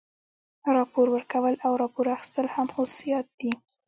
راپور ورکول او راپور اخیستل هم خصوصیات دي.